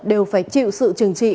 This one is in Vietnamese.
đều phải chịu sự trừng trị